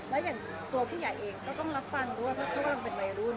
และอย่างตัวผู้ใหญ่เองก็ต้องรับฟังด้วยเพราะเขากำลังเป็นวัยรุ่น